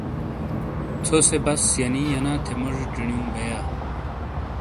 ژھو سے بس ینی ینا تھے موجی چینیو بیئیا۔